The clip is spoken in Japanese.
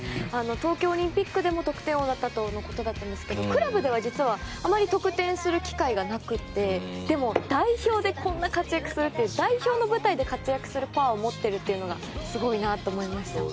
東京オリンピックでも得点王だったとのことですがクラブでは実はあまり得点する機会がなくてでも代表でこんな活躍するって代表で活躍するパワーを持っているというのがすごいなと思いました。